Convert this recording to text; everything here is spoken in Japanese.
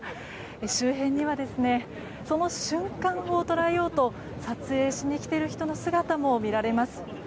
周辺にはその瞬間を捉えようと撮影しにきている人の姿もみられます。